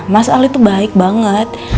mas ali itu baik banget